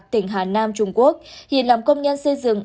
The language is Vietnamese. trung quốc hiện làm công nhân xây dựng